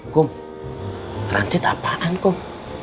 kom transit apaan kum